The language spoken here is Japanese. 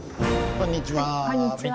こんにちは。